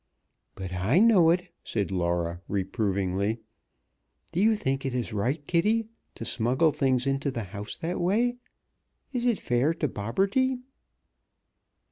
"But I know it," said Laura, reprovingly. "Do you think it is right, Kitty, to smuggle things into the house that way? Is it fair to Bobberty?"